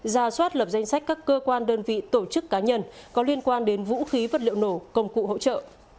ra soát lập danh sách các cơ quan đơn vị tổ chức cá nhân có liên quan đến vũ khí vật liệu nổ công cụ hỗ trợ